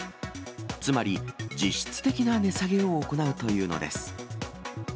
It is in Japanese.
つまり実質的な値下げを行うというのです。